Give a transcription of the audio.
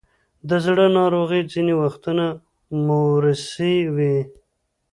د زړه ناروغۍ ځینې وختونه موروثي وي.